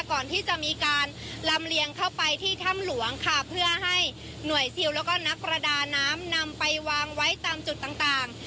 ก่อนที่จะมีการลำเลียงเข้าไปที่ถ้ำหลวงค่ะเพื่อให้หน่วยซิลแล้วก็นักประดาน้ำนำไปวางไว้ตามจุดต่างต่าง